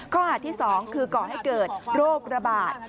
ข้อหาที่๒คือก่อให้เกิดโรคระบาด